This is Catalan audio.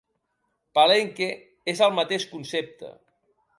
Palenque és el mateix concepte.